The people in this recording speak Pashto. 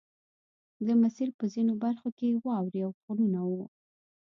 د مسیر په ځینو برخو کې واورې او غرونه وو